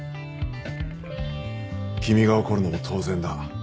君が怒るのも当然だ。